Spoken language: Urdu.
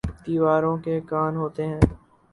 دیواروں کے کان ہوتے ہیں